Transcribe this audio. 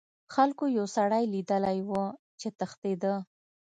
خلکو یو سړی لیدلی و چې تښتیده.